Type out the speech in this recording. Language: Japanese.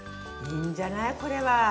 いいんじゃないこれは。